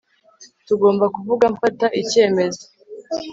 Tugomba kuvuga mfata icyemezo